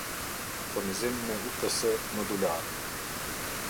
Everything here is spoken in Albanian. Furnizimi me ups modular